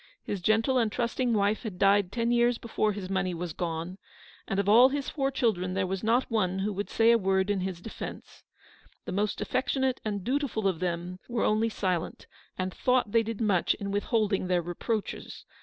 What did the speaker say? His gentle and trusting wife had died ten years before his money was gone, and of all THE STORY OF THE PAST. 17 his four children there was not one who would say a word in his defence. The most affectionate and dutiful of them were only silent, and thought they did much in withholding their reproaches.